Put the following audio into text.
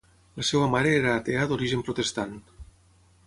La seva mare era atea d'origen protestant.